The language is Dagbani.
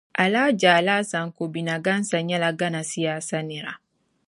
Alhaji Alhassan Kobina Ghansah nyɛla Ghana siyaasa nira.